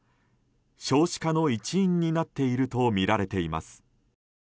少子化の一因になっているとみられています。